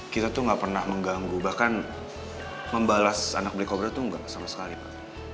kita tuh gak pernah mengganggu bahkan membalas anak black cobra tuh gak sama sekali pak